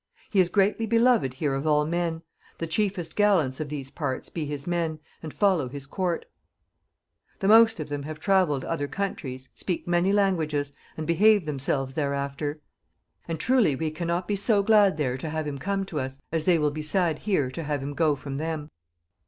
He is greatly beloved here of all men: the chiefest gallants of these parts be his men, and follow his court; the most of them have travelled other countries, speak many languages, and behave themselves thereafter; and truly we cannot be so glad there to have him come to us, as they will be sad here to have him go from them.